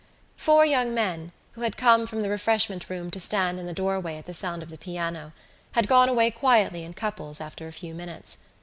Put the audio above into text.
Four young men, who had come from the refreshment room to stand in the doorway at the sound of the piano, had gone away quietly in couples after a few minutes.